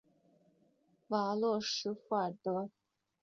瓦罗什弗尔德。